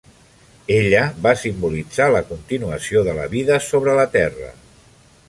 Ella va simbolitzar la continuació de la vida sobre la Terra.